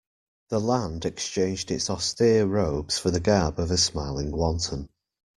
The land exchanged its austere robes for the garb of a smiling wanton.